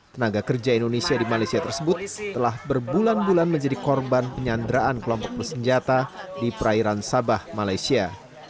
tenaga kerja indonesia di malaysia tersebut telah berbulan bulan menjadi korban penyanderaan kelompok bersenjata di perairan sabah malaysia